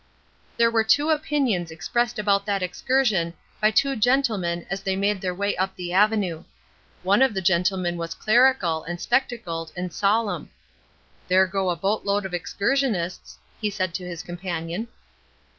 There were two opinions expressed about that excursion by two gentlemen as they made their way up the avenue. One of the gentleman was clerical, and spectacled, and solemn. "There go a boat load of excursionists," he said to his companion.